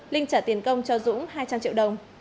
linh trả tiền công cho dũng hai trăm linh triệu đồng